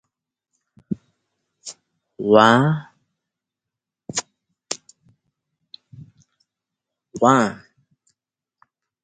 A two-seat trainer version was planned, as was a reconnaissance and all-weather interceptor version.